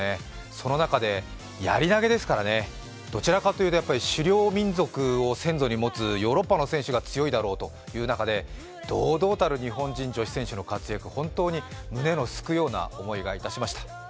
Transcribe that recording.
その中でやり投げですからね、どちらかといううと狩猟民族を先祖に持つヨーロッパの選手が強いだろうという中で、堂々たる日本人女子選手の活躍、本当に胸のすくような思いがしました。